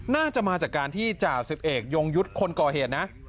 น่าจะมาจากการที่จ่าสิบเอกยงยุทธ์คนก่อเหตุนะ